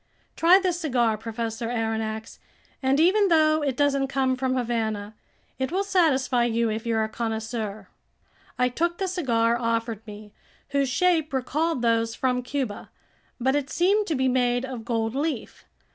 "Try this cigar, Professor Aronnax, and even though it doesn't come from Havana, it will satisfy you if you're a connoisseur." I took the cigar offered me, whose shape recalled those from Cuba; but it seemed to be made of gold leaf.